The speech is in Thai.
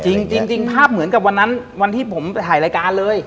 จริงภาพเหมือนกับวันนั้นวันที่ผมไปถ่ายรายการเลย